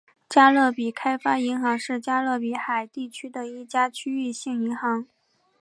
加勒比开发银行是加勒比海地区的一家区域性银行。